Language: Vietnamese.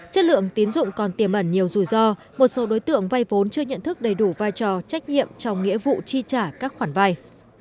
chất lượng tín dụng còn tiềm ẩn nhiều rủi ro một số đối tượng vay vốn chưa nhận thức đầy đủ vai trò trách nhiệm trong nghĩa vụ chi trả các khoản vay